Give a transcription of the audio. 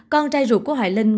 con trai ruột của hoài linh